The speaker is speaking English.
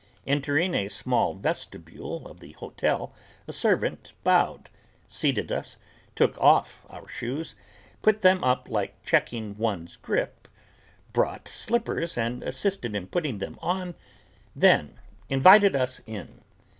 Entering a small vestibule of the hotel a servant bowed, seated us, took off our shoes, put them up like checking one's grip, brought slippers and assisted in putting them on, then invited us in.